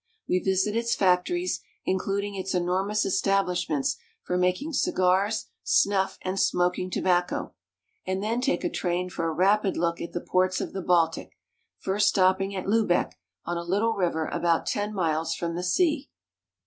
We visit its factories, including its enormous 200 GERMANY. establishments for making cigars, snuff, and smoking tobacco, and then take a train for a rapid look at the ports of the Baltic, first stopping at Lubeck, on a little river about ten miles from the sea.